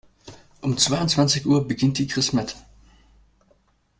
Um zweiundzwanzig Uhr beginnt die Christmette.